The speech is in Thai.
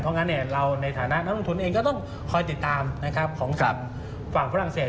เพราะงั้นเราในฐานะนักลงทุนเองก็ต้องคอยติดตามของฝั่งฝรั่งเศส